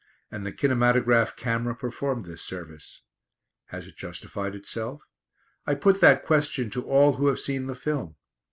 And the kinematograph camera performed this service. Has it justified itself? I put that question to all who have seen the film.